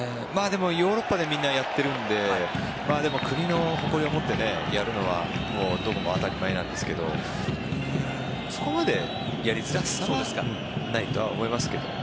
ヨーロッパでみんなやっているので国の誇りを持ってやるのはどこも当たり前なんですけどそこまでやりづらさはないと思いますけど。